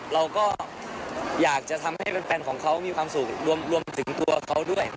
เราก็อยากจะทำให้แฟนของเขามีความสุขรวมถึงตัวเขาด้วย